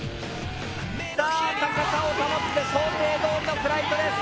さあ高さを保って想定どおりのフライトです。